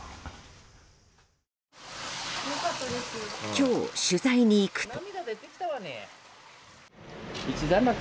今日、取材に行くと。